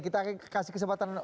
kita kasih kesempatan